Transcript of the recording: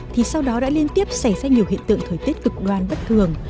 thì sau đó đã liên tiếp xảy ra nhiều hiện tượng thời tiết cực đoan bất thường